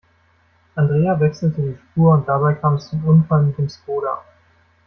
Andrea wechselte die Spur und dabei kam es zum Unfall mit dem Skoda.